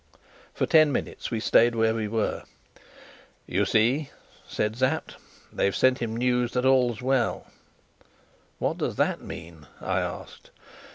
For ten minutes we stayed where we were. "You see," said Sapt, "they've sent him news that all is well." "What does that mean?" I asked.